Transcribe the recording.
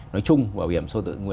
nói chung bảo hiểm xã hội tự nguyện